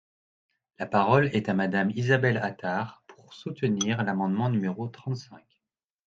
La parole est à Madame Isabelle Attard, pour soutenir l’amendement numéro trente-cinq.